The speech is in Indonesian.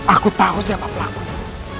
aku tahu siapa pelakunya